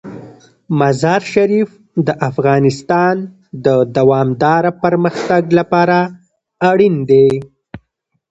مزارشریف د افغانستان د دوامداره پرمختګ لپاره اړین دي.